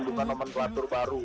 bukan nomenklatur baru